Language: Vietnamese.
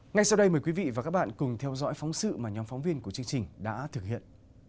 ngay sau đây mời quý vị và các bạn cùng theo dõi phóng sự mà nhóm phóng viên của chương trình đã thực hiện